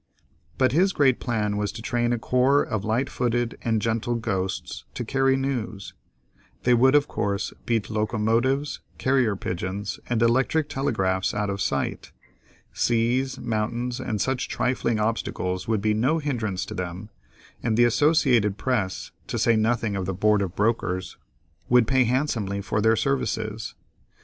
But his great plan was to train a corps of light footed and gentle ghosts to carry news; they would of course beat locomotives, carrier pigeons, and electric telegraphs out of sight; seas, mountains, and such trifling obstacles would be no hindrance to them, and the Associated Press, to say nothing of the Board of Brokers, would pay handsomely for their services.